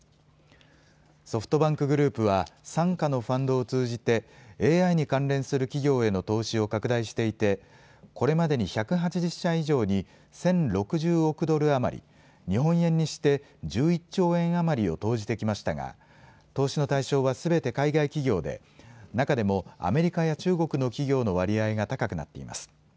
ソフトバンクグループは傘下のファンドを通じてＡＩに関連する企業への投資を拡大していてこれまでに１８０社以上に１０６０億ドル余り、日本円にして１１兆円余りを投じてきましたが投資の対象はすべて海外企業で中でもアメリカや中国の企業の割合が高くなっています。